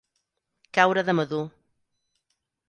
Caure de madur.